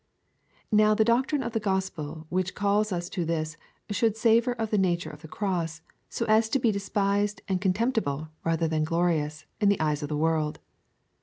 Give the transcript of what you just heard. Now the doc trine of the gospel which calls us to this, should savour of the nature of the Cross, so as to be despised and contemp tible, rather than glorious, in the eyes of the world.